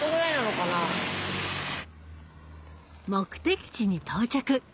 目的地に到着！